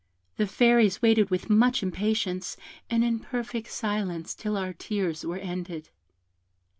The Fairies waited with much impatience, and in perfect silence, till our tears were ended.